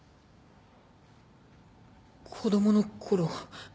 子供のころ